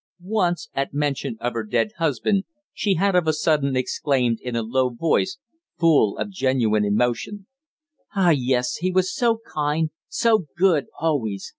Once, at mention of her dead husband, she had of a sudden exclaimed in a low voice, full of genuine emotion: "Ah, yes. He was so kind, so good always.